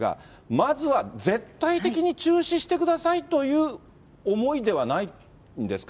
まずは、絶対的に中止してくださいという思いではないんですか？